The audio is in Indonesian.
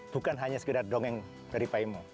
bukan hanya sekedar dongeng dari paimo